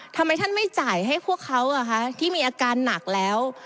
ทำไมท่านไม่จ่ายให้พวกเขาที่มีอาการหนักแล้ว